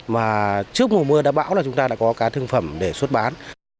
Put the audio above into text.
mà trước mùa mưa đã bão là chúng ta đã có cá thương phẩm để xuất bán